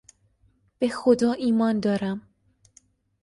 به خدا ایمان دارم.